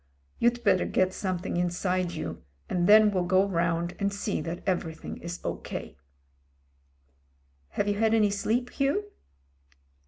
"You'd better get something inside you, and then we'll go round and see that everything is O.K." "Have you had any sleep, Hugh